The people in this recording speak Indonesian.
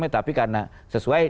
tapi karena sesuai